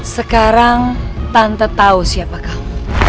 sekarang tante tau siapa kamu